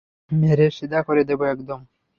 মেরে সিধা করে দেবো একদম।